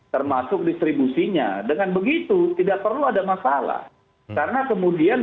termasuk distribusinya dengan begitu tidak perlu ada masalah karena kemudian